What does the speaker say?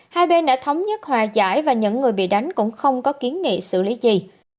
hai bên đã thống nhất hòa giải và những người bị đánh cũng không có kiến nghị xử lý gì